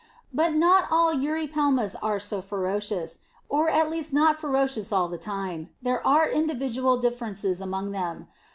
But not all Eurypelmas are so ferocious; or at least are not ferocious all the time. There are individual differences among them.